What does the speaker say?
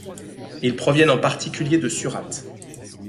Ils proviennent en particulier de Surat.